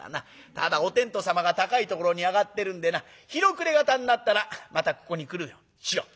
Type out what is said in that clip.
ただお天道様が高いところに上がってるんでな日の暮れ方になったらまたここに来るようにしよう。